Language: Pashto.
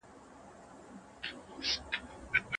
نړیوال ملاتړ د پام وړ و.